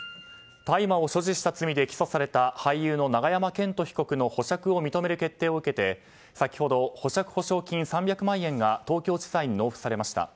大麻を所持した罪で起訴された俳優の永山絢斗被告の保釈を認める決定を受けて先ほど、保釈保証金３００万円が東京地裁に納付されました。